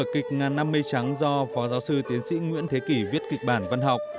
kịch ngàn năm mây trắng do phó giáo sư tiến sĩ nguyễn thế kỷ viết kịch bản văn học